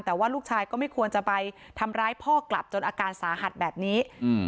แต่ว่าลูกชายก็ไม่ควรจะไปทำร้ายพ่อกลับจนอาการสาหัสแบบนี้